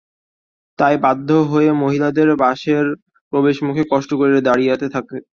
তাই বাধ্য হয়ে মহিলাদের বাসের প্রবেশমুখে কষ্ট করে দাঁড়িয়ে থাকতে হয়।